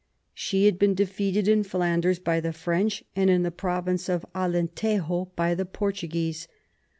She had been defeated in Flanders by the French and in the province of Alentejo by the Portuguese.